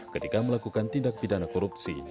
ketika melakukan tindak pidana korupsi